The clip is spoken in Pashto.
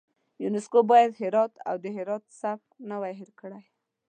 یونسکو باید هرات او د هرات سبک نه وای هیر کړی.